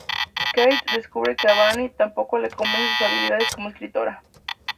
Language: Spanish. Kate descubre que a Vanni tampoco le convencen sus habilidades como escritora.